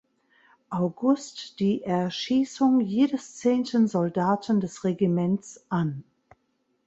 August die Erschießung jedes zehnten Soldaten des Regiments an.